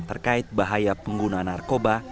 terkait bahaya pengguna narkoba